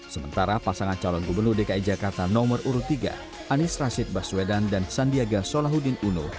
sementara pasangan calon gubernur dki jakarta nomor urut tiga anies rashid baswedan dan sandiaga solahuddin uno